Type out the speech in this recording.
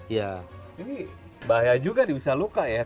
ya ini bahaya juga nih bisa luka ya